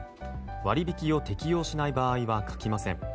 割引を適用しない場合は書きません。